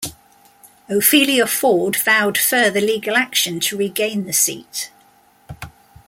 Ophelia Ford vowed further legal action to regain the seat.